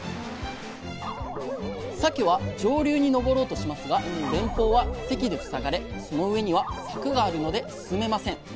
さけは上流に上ろうとしますが前方は堰で塞がれその上には柵があるので進めません。